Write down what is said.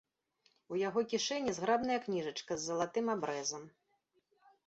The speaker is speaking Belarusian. У яго кішэні зграбная кніжачка з залатым абрэзам.